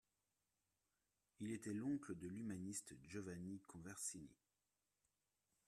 Il était l'oncle de l'humaniste Giovanni Conversini.